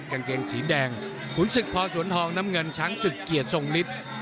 กางเกงสีแดงขุนศึกพอสวนทองน้ำเงินช้างศึกเกียรติทรงฤทธิ์